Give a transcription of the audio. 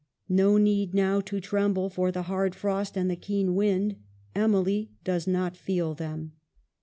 No need now to tremble for the hard frost and the keen wind. Emily does not feel them."